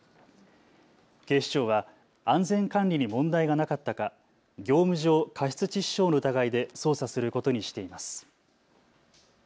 警視庁は安全管理に問題がなかったか業務上過失致死傷の疑いで捜査することにしています。